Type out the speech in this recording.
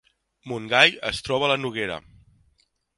Montgai es troba a la Noguera